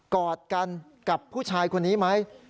กอดกันกับผู้ชายคนนี้ไหม